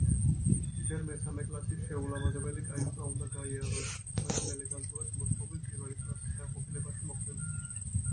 ჯერ მესამე კლასის შეულამაზებელი კაიუტა უნდა გაიაროთ, სანამ ელეგანტურად მოწყობილ პირველი კლასის განყოფილებაში მოხვდებით.